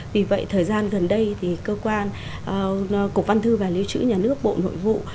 vì vậy thời gian gần đây thì cơ quan cục văn thư và lưu trữ nhà nước bộ nội vụ